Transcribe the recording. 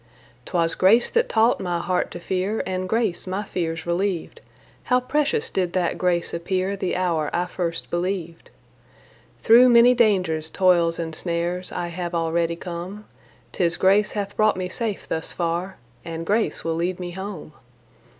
'Twas grace that taught my heart to fear, And grace my fears relieved. How precious did that grace appear The hour I first believed. Through many dangers, toils and snares I have already come; 'Tis grace hath brought me safe thus far And grace will lead me home.